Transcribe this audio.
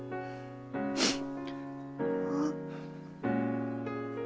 あっ。